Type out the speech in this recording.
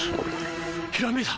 ひらめいた！